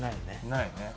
ないよね。